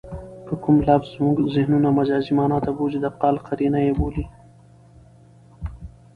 که کوم لفظ زمونږ ذهنونه مجازي مانا ته بوځي؛ د قال قرینه ئې بولي.